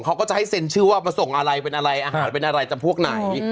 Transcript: เขาก็จะให้เซ็นชื่อว่ามาส่งอะไรเป็นอะไรอาหารเป็นอะไรจำพวกไหน